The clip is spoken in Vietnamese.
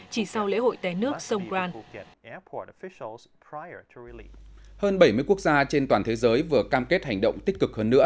chỉ sau lễ hội té nước songkran hơn bảy mươi quốc gia trên toàn thế giới vừa cam kết hành động tích cực